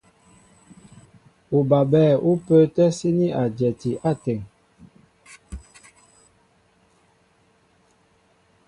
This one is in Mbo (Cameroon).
Ubabɛ̂ ú pə́ə́tɛ́ síní a dyɛti áteŋ.